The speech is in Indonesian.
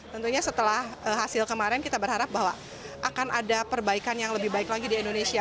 tentunya setelah hasil kemarin kita berharap bahwa akan ada perbaikan yang lebih baik lagi di indonesia